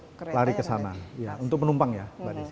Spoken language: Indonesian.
kereta yang lebih lari ke sana untuk penumpang ya